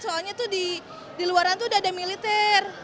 soalnya tuh di luar itu udah ada militer